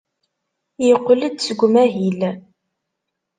Yeqqel-d seg umahil.